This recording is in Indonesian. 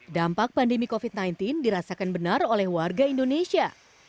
dampak pandemi covid sembilan belas dirasakan benar oleh warga indonesia